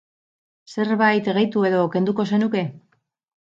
Zerbait gehitu edo kenduko zenuke?